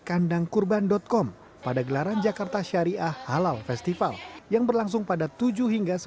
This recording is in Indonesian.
kandang kurban com pada gelaran jakarta syariah halal festival yang berlangsung pada tujuh hingga